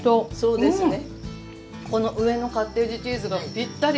この上のカッテージチーズがぴったり！